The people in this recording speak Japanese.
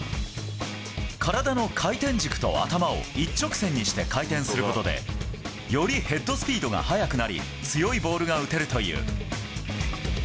体の回転軸と頭を一直線にして回転することで、よりヘッドスピードが速くなり、強いボールが打てるという。